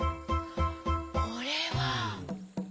これは。